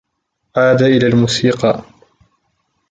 عاد إلى الموسيقى.